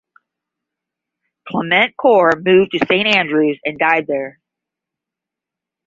Clement Cor moved to St Andrews and died there.